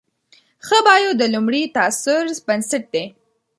ښه بایو د لومړي تاثر بنسټ دی.